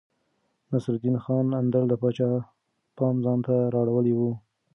نصرالدين خان اندړ د پاچا پام ځانته رااړولی و.